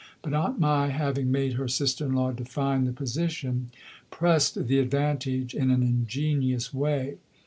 But Aunt Mai, having made her sister in law define the position, pressed the advantage in an ingenious way.